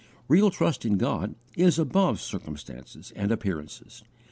_Real trust in God is above circumstances and appearances.